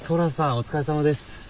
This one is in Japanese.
お疲れさまです。